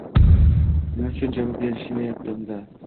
Nima uchun javob berishmaydi unda?